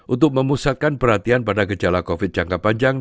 untuk memusatkan perhatian pada gejala covid jangka panjang